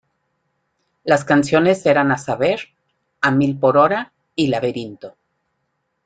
Las canciones eran a saber: A Mil Por Hora y Laberinto.